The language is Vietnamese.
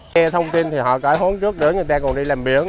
theo thông tin thì họ cải hoán trước đối với người ta còn đi làm biển